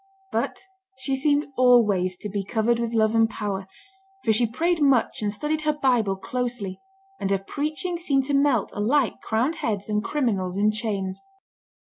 But she seemed always to be "covered with love and power," for she prayed much and studied her Bible closely, and her preaching seemed to melt alike crowned heads and criminals in chains.